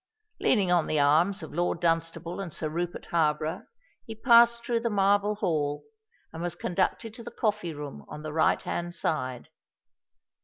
Leaning on the arms of Lord Dunstable and Sir Rupert Harborough, he passed through the marble hall, and was conducted to the coffee room on the right hand side.